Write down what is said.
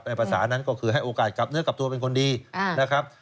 ภาษานั้นก็คือให้โอกาสกลับเนื้อกลับตัวเป็นคนดีนะครับ